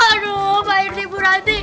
aduh pak irti ibu ranti